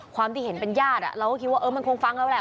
ความที่เห็นเป็นญาติเราก็คิดว่าเออมันคงฟังแล้วแหละ